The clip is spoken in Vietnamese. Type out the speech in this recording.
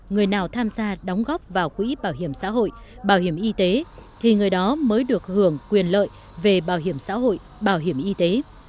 người nào tham gia đóng góp vào quỹ bảo hiểm xã hội bảo hiểm y tế thì người đó mới được hưởng quyền lợi về bảo hiểm xã hội bảo hiểm y tế